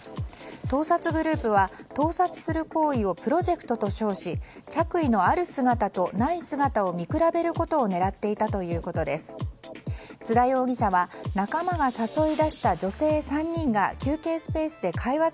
盗撮グループは、盗撮する行為をプロジェクトと称し着衣のある姿とない姿を見比べることを狙っていたということです。